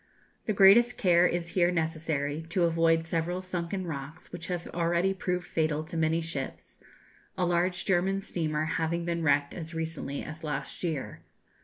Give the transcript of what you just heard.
The greatest care is here necessary, to avoid several sunken rocks, which have already proved fatal to many ships, a large German steamer having been wrecked as recently as last year.